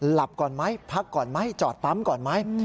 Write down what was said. หลับก่อนไหมพักก่อนไหมจอดปั๊มก่อนไหม